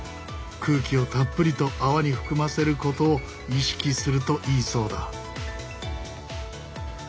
空気をたっぷりと泡に含ませることを意識するといいそうだ。